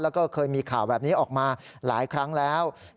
แล้วก็เคยมีข่าวแบบนี้ออกมาหลายครั้งแล้ว